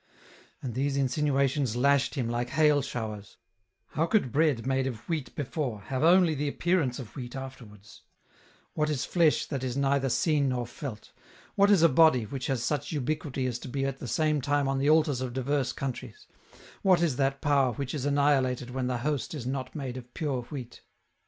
And these insinuations lashed him like hail showers : how could bread made of wheat before, have only the appearance of wheat afterwards ; what is flesh that is neither seen nor felt ; what is a body, which has such ubiquity as to be at the same time on the altars of divers countries ; what is that power which is annihilated when the Host is not made of pure wheat